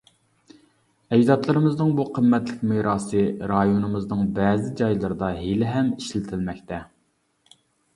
ئەجدادلىرىمىزنىڭ بۇ قىممەتلىك مىراسى رايونىمىزنىڭ بەزى جايلىرىدا ھېلىھەم ئىشلىتىلمەكتە.